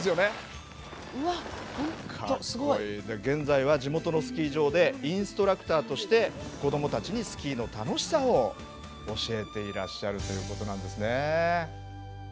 現在は地元のスキー場でインストラクターとして子供たちにスキーの楽しさを教えていらっしゃるということなんですね。